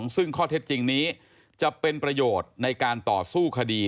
ซึ่งข้อเท็จจริงนี้จะเป็นประโยชน์ในการต่อสู้คดี